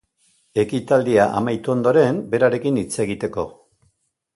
Ekitaldia amaitu ondoren berarekin hitz egiteko.